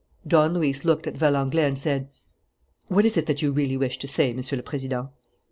Don Luis looked at Valenglay and said: "What is it that you really wish to say, Monsieur le Président?"